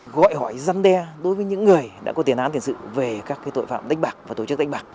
gọi hỏi răn đe đối với những người đã có tiền án tiền sự về các tội phạm đánh bạc và tổ chức đánh bạc